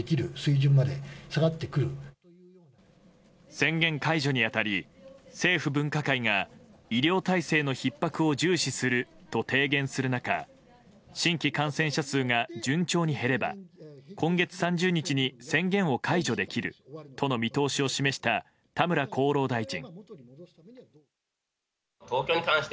宣言解除に当たり政府分科会が医療体制のひっ迫を重視すると提言する中新規感染者数が順調に減れば今月３０日に宣言を解除できるとの見通しを示した田村厚労大臣。